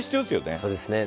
そうですね。